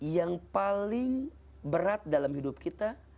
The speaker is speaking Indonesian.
yang paling berat dalam hidup kita